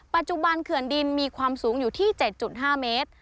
ปัจจุบันเขื่อนดินมีความสูงอยู่ที่๗๕เมตร